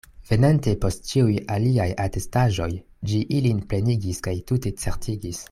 Venante post ĉiuj aliaj atestaĵoj, ĝi ilin plenigis kaj tute certigis.